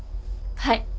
はい。